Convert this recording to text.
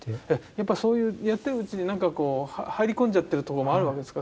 やっぱそういうやってるうちに何かこう入り込んじゃってるとこもあるわけですか。